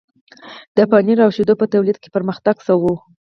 د پنیر او شیدو په تولید کې پرمختګ شو.